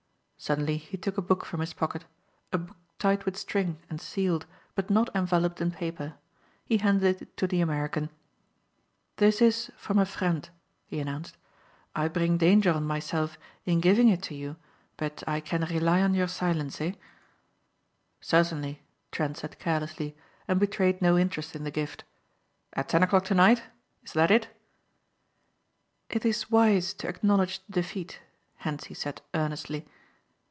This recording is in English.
Suddenly he took a book from his pocket, a book tied with string and sealed but not enveloped in paper. He handed it to the American. "This is from a friend," he announced. "I bring danger on myself in giving it to you but I can rely on your silence, eh?" "Certainly," Trent said carelessly and betrayed no interest in the gift. "At ten o'clock tonight? Is that it?" "It is wise to acknowledge defeat," Hentzi said earnestly.